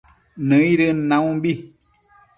nëidën naumbi